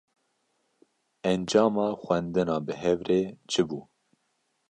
Encama xwendina bi hev re, çi bû?